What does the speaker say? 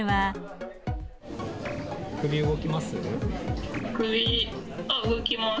首、動きます？